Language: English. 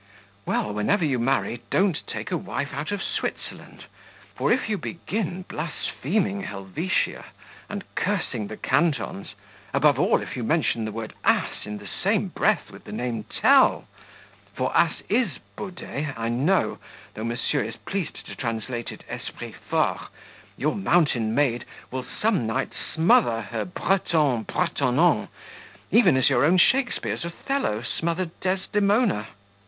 "Well, whenever you marry don't take a wife out of Switzerland; for if you begin blaspheming Helvetia, and cursing the cantons above all, if you mention the word ASS in the same breath with the name Tell (for ass IS baudet, I know; though Monsieur is pleased to translate it ESPRIT FORT) your mountain maid will some night smother her Breton bretonnant, even as your own Shakspeare's Othello smothered Desdemona."